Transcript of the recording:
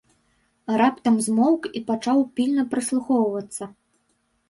Раптам змоўк і пачаў пільна прыслухоўвацца.